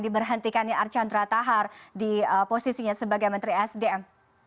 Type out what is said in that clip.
berhentikan ya archandra tahar di posisinya sebagai menteri sdm